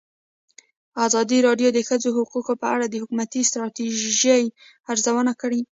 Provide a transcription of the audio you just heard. ازادي راډیو د د ښځو حقونه په اړه د حکومتي ستراتیژۍ ارزونه کړې.